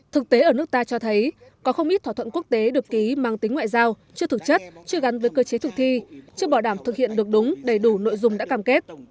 thực tế ở nước ta cho thấy có không ít thỏa thuận quốc tế được ký mang tính ngoại giao chưa thực chất chưa gắn với cơ chế thực thi chưa bảo đảm thực hiện được đúng đầy đủ nội dung đã cam kết